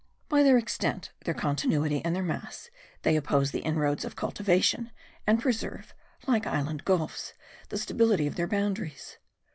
By their extent, their continuity, and their mass they oppose the inroads of cultivation and preserve, like inland gulfs, the stability of their boundaries.